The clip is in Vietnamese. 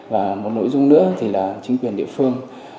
và một nội dung nữa thì là chính quyền địa phương